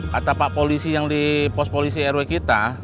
kata pak polisi yang di pos polisi rw kita